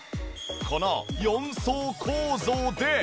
この４層構造で。